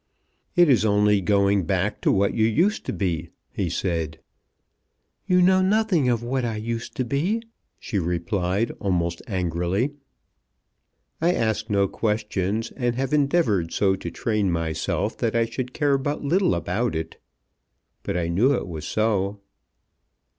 "It is only going back to what you used to be," he said. "You know nothing of what I used to be," she replied, almost angrily. "I ask no questions, and have endeavoured so to train myself that I should care but little about it. But I knew it was so."